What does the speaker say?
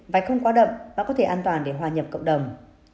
và không quá đậm và có thể an toàn để hòa nhập cộng đồng